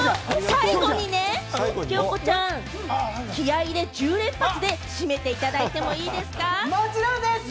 最後にねえ、京子ちゃん、気合で１０連発で締めていただいもちろんです！